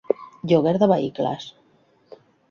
Lloguer de vehicles.